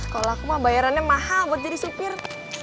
sekolah aku mah bayarannya mahal buat jadi supir